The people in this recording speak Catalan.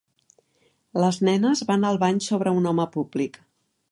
Les nenes van al bany sobre un home públic.